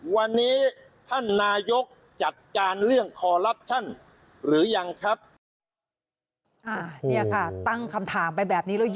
วันนี้ท่านนายกจัดการ